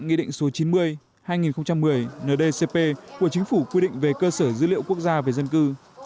nghị định số chín mươi hai nghìn một mươi ndcp của chính phủ quy định về cơ sở dữ liệu quốc gia về dân cư